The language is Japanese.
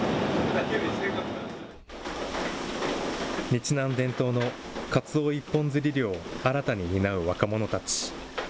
日南伝統のかつお一本釣り漁を新たに担う若者たち。